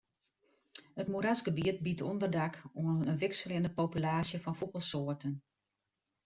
It moerasgebiet biedt ûnderdak oan in wikseljende populaasje fan fûgelsoarten.